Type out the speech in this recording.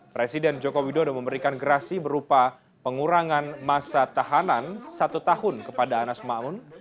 presiden joko widodo memberikan gerasi berupa pengurangan masa tahanan satu tahun kepada anas ma'amun